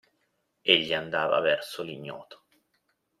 Egli andava verso l'ignoto.